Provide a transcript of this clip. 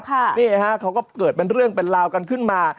นี่ฮะเขาก็เกิดเป็นเรื่องเป็นราวกันขึ้นมา